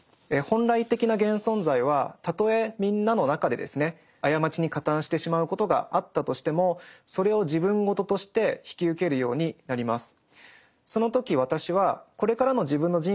本来的な現存在はたとえみんなの中でですね過ちに加担してしまうことがあったとしてもそれを自分事として引き受けるようになります。